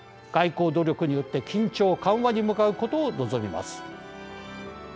外交努力によって緊張緩和に向かうことを望みます。